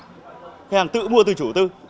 khách hàng tự mua từ chủ tư